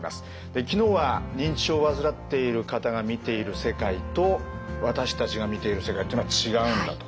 昨日は認知症を患っている方が見ている世界と私たちが見ている世界っていうのは違うんだと。